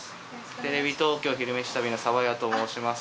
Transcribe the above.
テレビ東京「昼めし旅」の澤谷と申します。